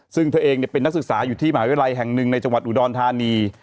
ซึ่งเธอเองเป็นนักศึกษาอยู่ที่มหาวิทยาลัยแห่งหนึ่งในจังหวัดอุดรธานี